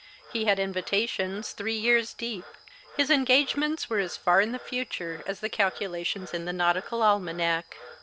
He had invitations three years deep. His eno ao ements were as far in the future as the calculations in the nautical almanac.